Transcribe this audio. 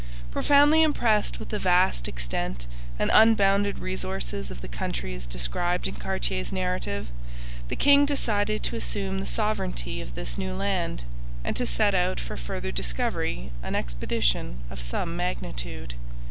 Profoundly impressed with the vast extent and unbounded resources of the countries described in Cartier's narrative, the king decided to assume the sovereignty of this new land, and to send out for further discovery an expedition of some magnitude.